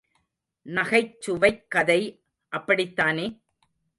நகைச்சுவைக் கதை அப்படித்தானே?